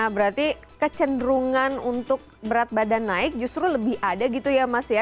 berarti kecenderungan untuk berat badan naik justru lebih ada gitu ya mas ya